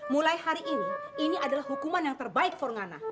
mulai hari ini ini adalah hukuman yang terbaik formana